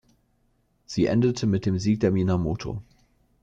Sie endete mit dem Sieg der Minamoto.